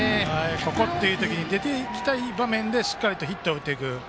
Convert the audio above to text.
ここっていう時に出ていきたい場面でしっかりとヒットを打っていく。